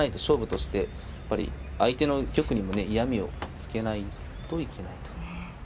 勝負としてやっぱり相手の玉にもね嫌みをつけないといけないと。